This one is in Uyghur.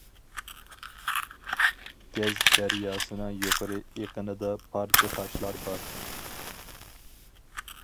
گەز دەرياسىنىڭ يۇقىرى ئېقىنىدا پارچە تاشلار بار.